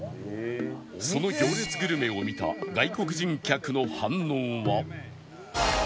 その行列グルメを見た外国人客の反応は